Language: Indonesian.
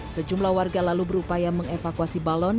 sejumlah warga lalu berupaya mengevakuasi balon